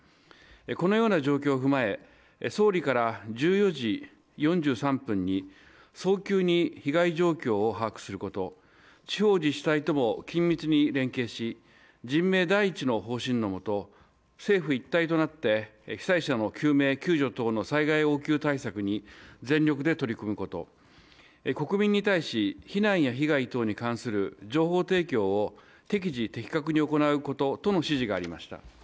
このような状況を踏まえ総理から１４時４３分に早急に被害状況を把握すること、地方自治体とも緊密に連携し人命第一の方針のもと政府一体となって被災者の救命、救助等の災害応急対策に全力で取り組むこと、国民に対し避難や被害等に関する情報提供を適時的確に行うこととの指示がありました。